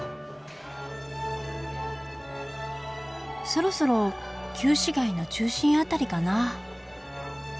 そろそろ旧市街の中心辺りかな。